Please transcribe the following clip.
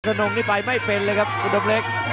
นงนี่ไปไม่เป็นเลยครับอุดมเล็ก